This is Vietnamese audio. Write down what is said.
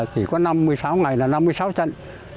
chỉ có năm mươi sáu ngày là năm mươi sáu trận